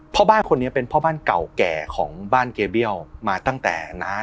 พ่อบ้านคนนี้เป็นพ่อบ้านเก่าแก่ของบ้านเกเบี้ยวมาตั้งแต่น้า